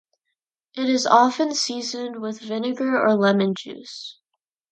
It is often seasoned with vinegar or lemon juice.